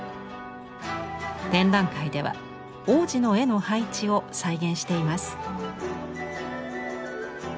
展覧会では往時の絵の配置を再現しています。